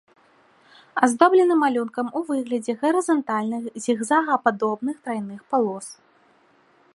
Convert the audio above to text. Аздоблены малюнкам у выглядзе гарызантальных зігзагападобных трайных палос.